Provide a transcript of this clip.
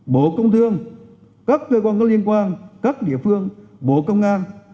bộ công thương các cơ quan có liên quan các địa phương bộ công an